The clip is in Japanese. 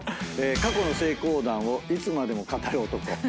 過去の成功談をいつまでも語る男。